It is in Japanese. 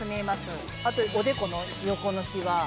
あとおでこの横のシワ。